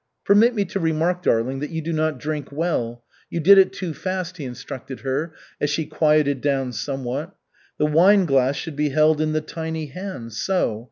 "Permit me to remark, darling, that you do not drink well! You did it too fast," he instructed her, as she quieted down somewhat. "The wineglass should be held in the tiny hands, so!